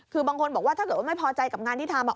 คือบางคนบอกว่าถ้าเกิดว่าไม่พอใจกับงานที่ทำ